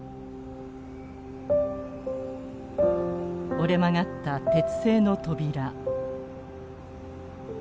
折れ曲がった鉄製の扉。